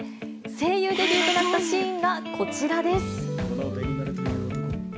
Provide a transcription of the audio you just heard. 声優デビューとなったシーンがこちらです。